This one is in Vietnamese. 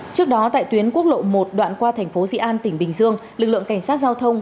trước đó tại tuyến quốc lộ một đoạn qua thành phố dị an tỉnh bình dương lực lượng cảnh sát giao thông